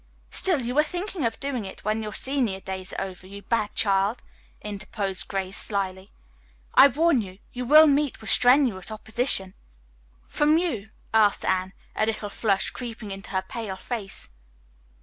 "Still, you are thinking of doing it when your senior days are over, you bad child," interposed Grace slyly. "I warn you, you will meet with strenuous opposition." "From you?" asked Anne, a little flush creeping into her pale face.